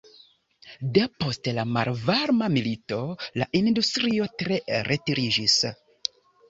Depost la malvarma milito la industrio tre retiriĝis.